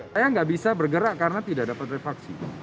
saya nggak bisa bergerak karena tidak dapat refaksi